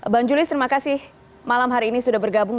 bang julius terima kasih malam hari ini sudah bergabung